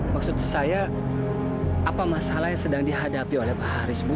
maksud saya apa masalah yang sedang dihadapi oleh pak haris bu